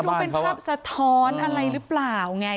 ดูเป็นภาพสะท้อนอะไรหรือเปล่าไง